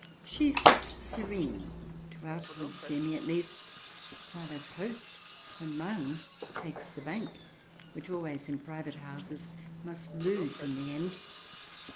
She sits serene, to outward seeming at least, while, as host, her Mann takes the bank, which always, in private houses, must lose in the end.